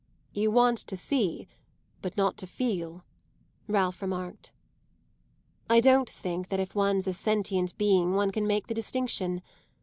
"You want to see, but not to feel," Ralph remarked. "I don't think that if one's a sentient being one can make the distinction.